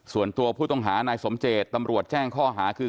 ส่วนตัวผู้ต้องหานายสมเจตตำรวจแจ้งข้อหาคือ